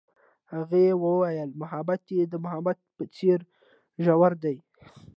هغې وویل محبت یې د محبت په څېر ژور دی.